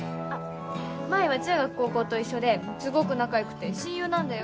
麻依は中学高校と一緒ですごく仲良くて親友なんだよ。